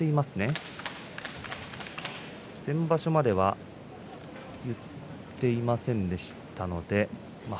先場所までは金峰山まげを結っていませんでした。